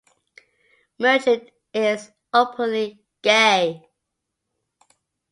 Merchant is openly gay.